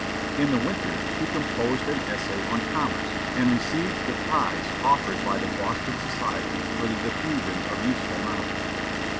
In the winter he composed an essay on commerce, and received the prize offered by the "Boston Society for the Diffusion of Useful Knowledge."